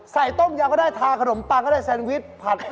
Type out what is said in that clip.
ต้มยำก็ได้ทาขนมปังก็ได้แซนวิชผัด